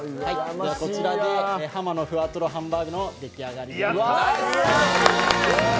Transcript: こちらでｈａｍａのふわとろハンバーグの出来上がりです。